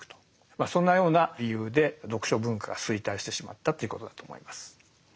まあそんなような理由で読書文化が衰退してしまったっていうことだと思います。